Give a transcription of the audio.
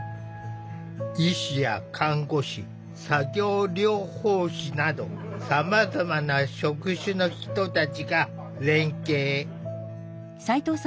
医師や看護師作業療法士などさまざまな職種の人たちが連携。